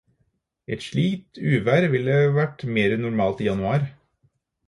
Et slikt uvær ville vært mer normalt i januar.